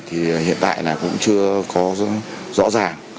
thì hiện tại là cũng chưa có rõ ràng